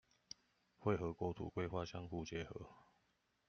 會和國土規劃相互結合